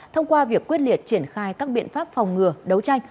thông qua việc quyết liệt triển khai các biện pháp phòng ngừa đấu tranh